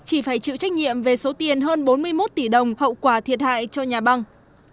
chỉ phải chịu trách nhiệm về số tiền hơn bốn mươi một tỷ đồng hậu quả thiệt hại cho nhà băng